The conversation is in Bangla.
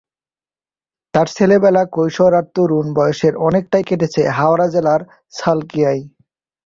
তাঁর ছেলেবেলা, কৈশোর আর তরুণ বয়সের অনেকটাই কেটেছে হাওড়া জেলার সালকিয়ায়।